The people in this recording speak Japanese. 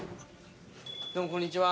どうもこんにちは。